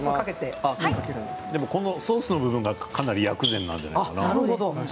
ソースの部分がかなり薬膳なんじゃないかな。